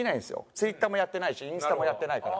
Ｔｗｉｔｔｅｒもやってないしインスタもやってないから。